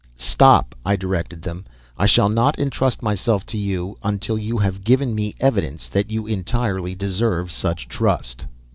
"Stop," I directed them. "I shall not entrust myself to you until you have given me evidence that you entirely deserve such trust."